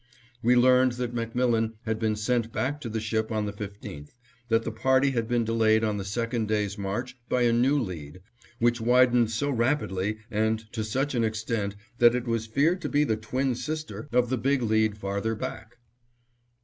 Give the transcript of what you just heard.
We learned that MacMillan had been sent back to the ship on the 15th, that the party had been delayed on the second day's march by a new lead, which widened so rapidly and to such an extent that it was feared to be the twin sister of the Big Lead farther back.